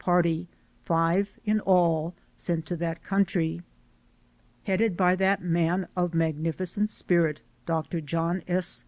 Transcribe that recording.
party, five in all, sent to that country. Headed by that man of magnificent spirit, Doctor John S.